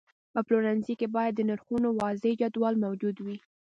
په پلورنځي کې باید د نرخونو واضحه جدول موجود وي.